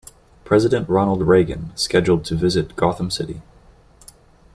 President Ronald Reagan, scheduled to visit Gotham City.